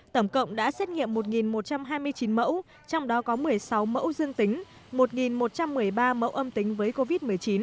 tổng cộng đã xét nghiệm một một trăm hai mươi chín mẫu trong đó có một mươi sáu mẫu dương tính một một trăm một mươi ba mẫu âm tính với covid một mươi chín